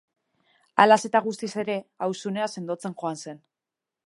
Halaz eta guztiz ere, auzunea sendotzen joan zen.